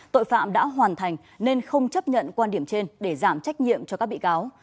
tội phạm đã hoàn thành nên không chấp nhận quan điểm trên để giảm trách nhiệm cho các bị cáo